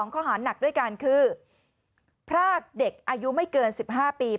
ข้อหาหนักด้วยกันคือพรากเด็กอายุไม่เกิน๑๕ปี